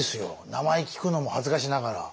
名前聞くのも恥ずかしながら。